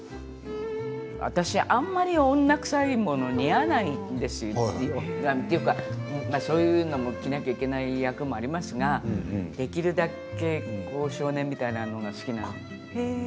私、あんまり女くさいもの似合わないんですよ。というかそういうのも着なきゃいけない役もありますができるだけ少年みたいなものが好きなの。